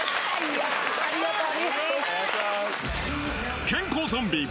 ありがとう。